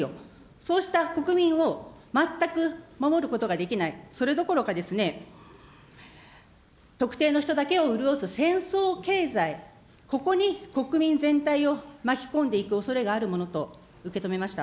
そうした国民を全く守ることができない、それどころかですね、特定の人だけを潤す戦争経済、ここに国民全体を巻き込んでいくおそれがあるものと受け止めました。